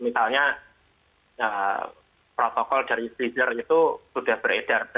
misalnya protokol dari pfizer itu sudah beredar